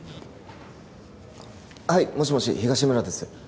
はいもしもし東村です